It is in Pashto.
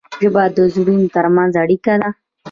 ژبه د زړونو ترمنځ اړیکه ده.